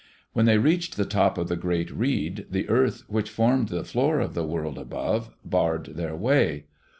When they reached the top of the great reed, the earth which formed the floor of the world above, barred their way.